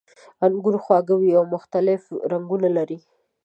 انګور خواږه وي او مختلف رنګونه لري.